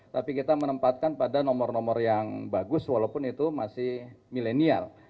tapi kita menempatkan pada nomor nomor yang bagus walaupun itu masih milenial